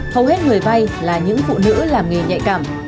hầu hết người vay là những phụ nữ làm nghề nhạy cảm